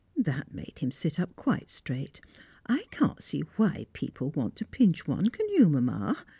That made him sit up quite straight. I can't see why people want to pinch one; can you, Mamma?